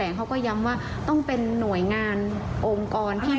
แล้วทุกคนก็ต้องทำให้มันเกิดสิ่งที่มันกระจ่ายที่สุด